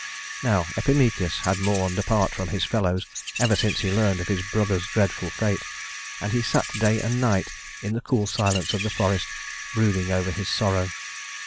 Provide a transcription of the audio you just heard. Now Epimetheus had mourned apart from his fellows ever since he learned of his brother's dreadful fate; and he sat day and night in the cool silence of the forest, brooding over his sorrow.